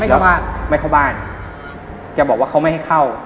เข้าบ้านไม่เข้าบ้านแกบอกว่าเขาไม่ให้เข้า